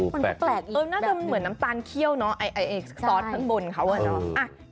มันก็แปลกอีกแบบนึงเออน่าจะเหมือนน้ำตาลเคี่ยวเนาะซอสข้างบนเขาเหมือนกัน